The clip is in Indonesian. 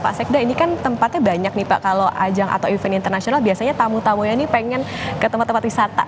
pak sekda ini kan tempatnya banyak nih pak kalau ajang atau event internasional biasanya tamu tamunya ini pengen ke tempat tempat wisata